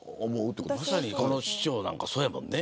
まさに、この市長なんかそうやもんね。